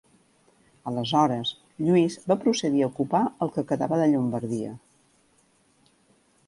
Aleshores, Lluís va procedir a ocupar el que quedava de Llombardia.